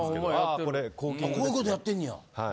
こういうことやってんねや。